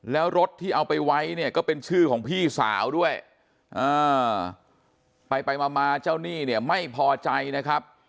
แล้วรถที่เอาไปไว้เนี่ยก็เป็นชื่อของพี่สาวด้วยไปไปมาเจ้าหนี้เนี่ยไม่พอใจนะครับ